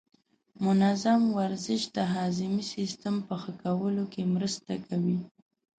منظم ورزش د هاضمې سیستم په ښه کولو کې مرسته کوي.